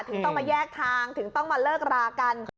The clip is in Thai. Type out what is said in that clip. ถึงต้องมาแยกทางถึงต้องมาเลิกรากัน